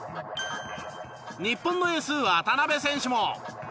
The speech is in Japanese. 日本のエース渡邊選手も。